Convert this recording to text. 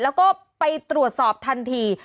แล้วก็ไปตรวจสอบทันที